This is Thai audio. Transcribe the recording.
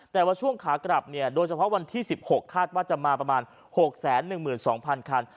แต่ว่าช่วงขากลับโดยเฉพาะวันที่๑๖คาดว่าจะมาประมาณ๖๑๒๐๐คัน